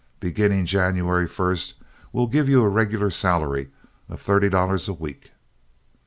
Beginning January first we'll give you a regular salary of thirty dollars a week."